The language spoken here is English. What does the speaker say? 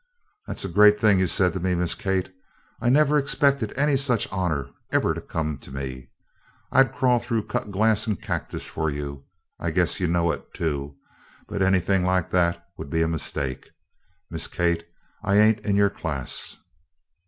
"That's a great thing you said to me, Miss Kate. I never expected any such honor ever to come to me. I'd crawl through cut glass and cactus for you. I guess you know it, too, but anything like that would be a mistake, Miss Kate. I ain't in your class."